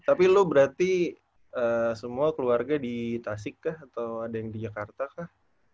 tapi lo berarti semua keluarga di tasik kah atau ada yang di jakarta kah